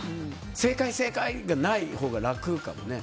正解、正解がないほうが楽かもね。